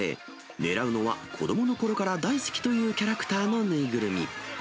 狙うのは子どものころから大好きというキャラクターの縫いぐるみ。